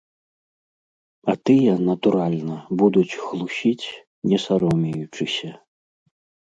А тыя, натуральна, будуць хлусіць, не саромеючыся.